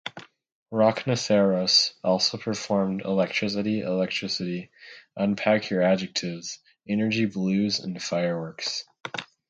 Rocknoceros also performed "Electricity, Electricity", "Unpack Your Adjectives", "Energy Blues" and "Fireworks".